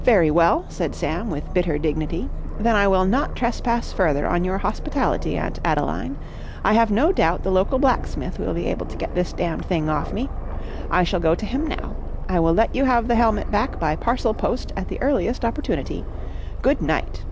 "Very well," said Sam with bitter dignity. "Then I will not trespass further on your hospitality, Aunt Adeline. I have no doubt the local blacksmith will be able to get this damned thing off me. I shall go to him now. I will let you have the helmet back by parcel post at the earliest opportunity. Good night!"